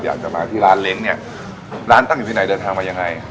อยากจะมาที่ร้านเล้งเนี่ยร้านตั้งอยู่ที่ไหนเดินทางมายังไง